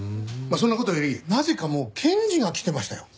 そんな事よりなぜかもう検事が来てましたよ。